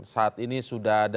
saat ini sudah diketahui